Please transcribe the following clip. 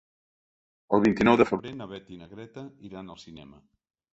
El vint-i-nou de febrer na Beth i na Greta iran al cinema.